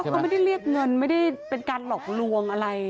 เขาไม่ได้เรียกเงินไม่ได้เป็นการหลอกลวงอะไร